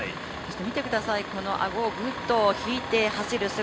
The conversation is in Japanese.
見てください、顎をぐっと引いて走る姿。